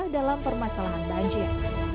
dalam permasalahan banjir